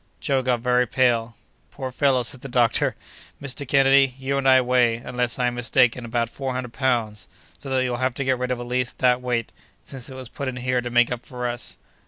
Joe got very pale. "Poor fellow!" said the doctor. "Mr. Kennedy, you and I weigh, unless I am mistaken, about four hundred pounds—so that you'll have to get rid of at least that weight, since it was put in here to make up for us."